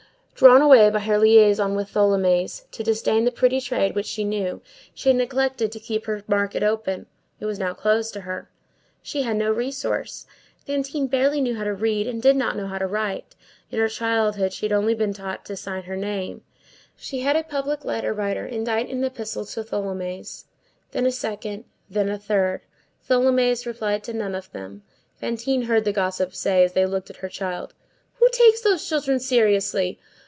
Drawn away by her liaison with Tholomyès to disdain the pretty trade which she knew, she had neglected to keep her market open; it was now closed to her. She had no resource. Fantine barely knew how to read, and did not know how to write; in her childhood she had only been taught to sign her name; she had a public letter writer indite an epistle to Tholomyès, then a second, then a third. Tholomyès replied to none of them. Fantine heard the gossips say, as they looked at her child: "Who takes those children seriously!